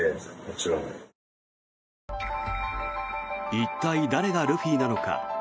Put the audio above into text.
一体、誰がルフィなのか。